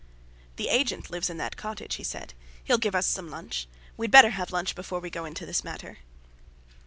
"The agent lives in that cottage," he said; "he'll give us some lunch—we'd better have lunch before we go into this matter."